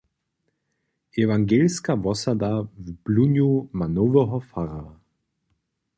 Ewangelska wosada w Blunju ma noweho fararja.